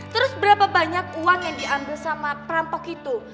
terus berapa banyak uang yang diambil sama perampok itu